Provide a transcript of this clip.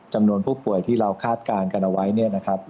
จำนวนผู้ป่วยที่เราคาดการณ์กันเอาไว้